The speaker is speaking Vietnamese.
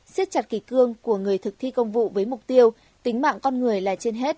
xiết chặt kỳ cương của người thực thi công vụ với mục tiêu tính mạng con người là trên hết